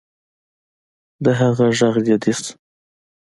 د هغه غږ جدي شو